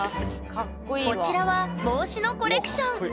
こちらは帽子のコレクションうわ